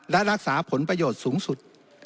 และรักษาผลประโยชน์สูงสุด